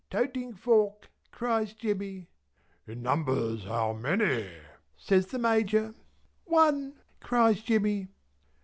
"Toatin fork!" cries Jemmy. "In numbers how many?" says the Major. "One!" cries Jemmy.